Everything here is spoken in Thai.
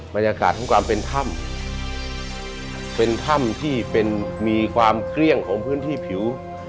บรรยากาศของความเป็นถ้ำเป็นถ้ำที่เป็นมีความเกลี้ยงของพื้นที่ผิว